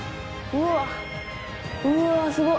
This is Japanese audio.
うわっすごっ！